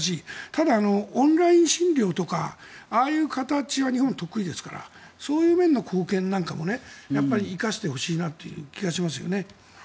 ただ、オンライン診療とかああいう形は日本、得意ですからそういう面の貢献も生かしてほしいなという気がしますよね。